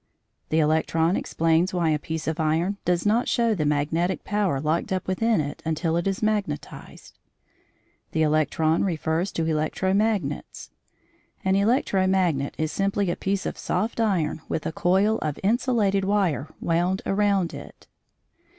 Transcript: The electron explains why a piece of iron does not show the magnetic power locked up within it until it is "magnetised." The electron refers to electro magnets; an electro magnet is simply a piece of soft iron with a coil of insulated wire wound around it.